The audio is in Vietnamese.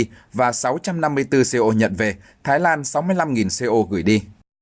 thái lan năm mươi bốn co nhận về thái lan sáu mươi năm co gửi đi